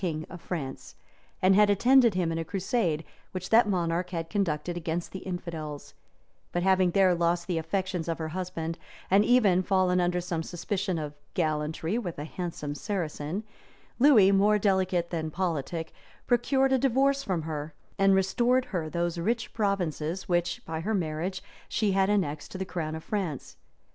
king of France, and had attended him in a crusade which that monarch conducted against the infidels; but having there lost the affections of her husband, and even fallen under some suspicion of gallantry with a handsome Saracen, Lewis, more delicate than politic, procured a divorce from her, and restored her those rich provinces, which, by her marriage, she had annexed to the crown of France.